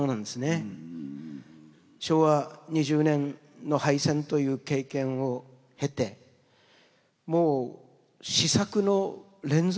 昭和２０年の敗戦という経験を経てもう思索の連続だったでしょうから。